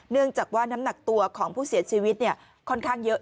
เนื่องจากว่าน้ำหนักตัวของผู้เสียชีวิตค่อนข้างเยอะ